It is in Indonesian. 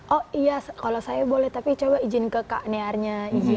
oh iya kalau saya boleh tapi coba izin ke kak nearnya izin